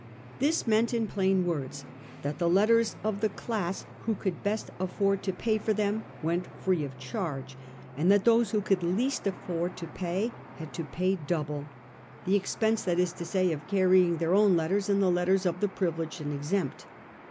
This meant, in plain words, that the letters of the class who could best afford to pay for them went free of charge, and that those who could least afford to pay had to pay double — the expense, that is to say, of carrying their own letters and the letters of the privileged and exempt.